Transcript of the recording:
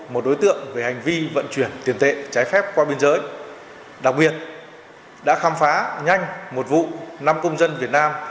một đối tượng về hành vi vận chuyển tiền tệ trái phép qua biên giới đặc biệt đã khám phá nhanh một vụ năm công dân việt nam